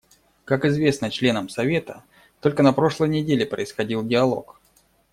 Как известно членам Совета, только на прошлой неделе происходил диалог.